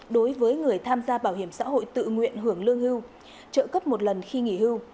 đối với người tham gia bảo hiểm xã hội tự nguyện hưởng lương hưu trợ cấp một lần khi nghỉ hưu